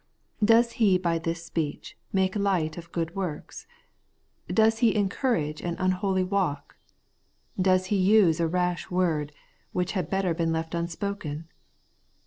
Does he by this speech make light of good works ? Does he encourage an unholy walk ? Does he use a rash word, which had better been left unspoken